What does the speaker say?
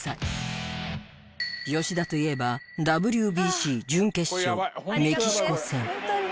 吉田といえばＷＢＣ準決勝メキシコ戦。